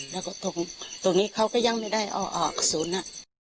แล้วก็ตรงนี้ก็ยังไม่ได้ออกส่วนนั้น